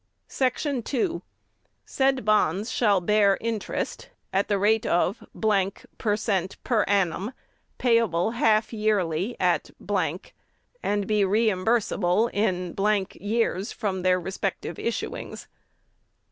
"Section 2. Said bonds shall bear interest at the rate of per cent per annum, payable half yearly at , and be reimbursable in years from their respective issuings.